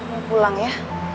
mau pulang ya